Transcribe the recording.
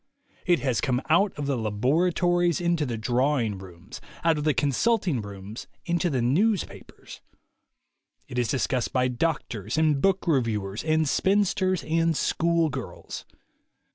It has come out of the laboratories into the draw ing rooms, out of the consulting rooms into the newspapers. It is discussed by doctors and book reviewers and spinsters and school girls.